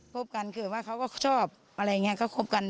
พบกันเกิดว่าเขาก็ชอบอะไรอย่างนี้ก็คบกัน